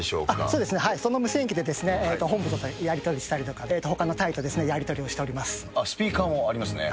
そうですね、その無線機で本部とやり取りしたり、ほかの隊とやり取りをしておスピーカーもありますね。